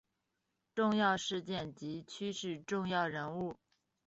重要事件及趋势重要人物